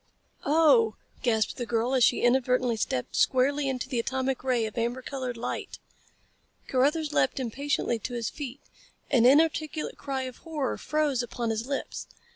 "Oh h h!" gasped the girl as she inadvertently stepped squarely into the atomic ray of amber colored light. Carruthers leaped impatiently to his feet. An inarticulate cry of horror froze upon his lips.